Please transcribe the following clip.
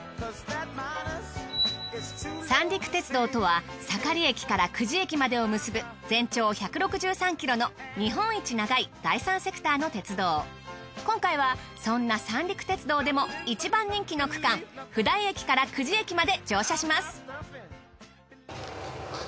三陸鉄道とは盛駅から久慈駅までを結ぶ今回はそんな三陸鉄道でもいちばん人気の区間普代駅から久慈駅まで乗車します。